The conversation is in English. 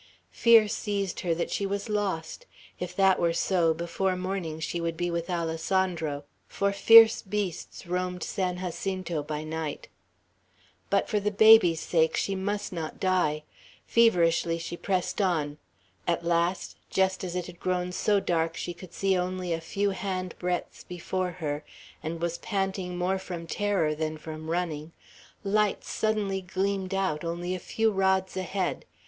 Fear seized her that she was lost. If that were so, before morning she would be with Alessandro; for fierce beasts roamed San Jacinto by night. But for the baby's sake, she must not die. Feverishly she pressed on. At last, just as it had grown so dark she could see only a few hand breadths before her, and was panting more from terror than from running, lights suddenly gleamed out, only a few rods ahead.